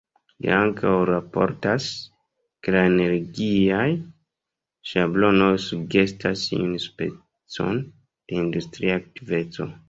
Li ankaŭ raportas, ke la energiaj ŝablonoj sugestas iun specon de industria aktiveco.